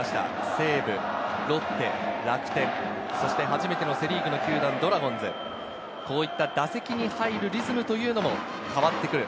西武、ロッテ、楽天、そして初めてのセ・リーグの球団ドラゴンズ、こうした打席に入るリズムというのも変わってくる。